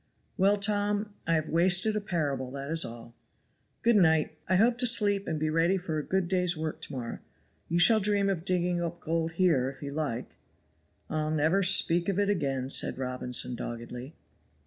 "Well, Tom, I have wasted a parable, that is all. Good night; I hope to sleep and be ready for a good day's work to morrow. You shall dream of digging up gold here if you like." "I'll never speak of it again," said Robinson doggedly.